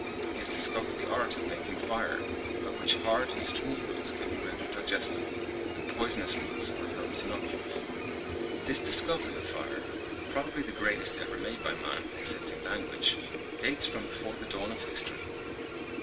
He has discovered the art of making fire, by which hard and stringy roots can be rendered digestible, and poisonous roots or herbs innocuous. This discovery of fire, probably the greatest ever made by man, excepting language, dates from before the dawn of history.